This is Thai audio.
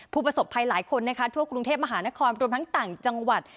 ผู้ประสบภัยหลายคนในทั่วกรุงเทพมหานครรอบด้วยทั้งจังหวัด